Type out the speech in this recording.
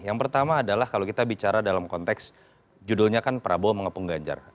yang pertama adalah kalau kita bicara dalam konteks judulnya kan prabowo mengepung ganjar